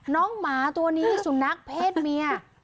หมาตัวนี้สุนัขเพศเมีย